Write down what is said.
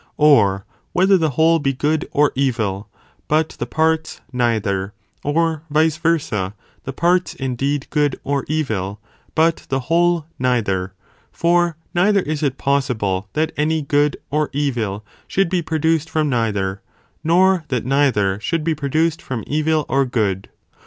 Or whether the whole be good or evil, but the parts neither, or vice versa the parts indeed good or evil, but the whole neither, for neither is it possible that any good or evil should be produced from neither, nor that neither should be produced from evil or good.